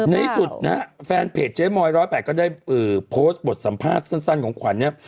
ในสุดนะฮะแฟนเพจเจ๊มอย๑๐๘ก็ได้โพสต์บทสัมภาษณ์สั้นของขวัญเนี่ย